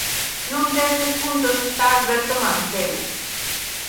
Nun deses puntos está Alberto Mancebo.